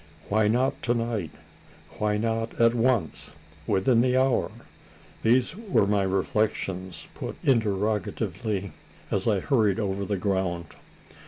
Why not to night? Why not at once within the hour? These were my reflections, put interrogatively, as I hurried over the ground.